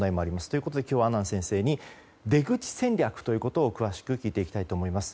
ということで今日は阿南先生に出口戦略ということを詳しく聞いていきたいと思います。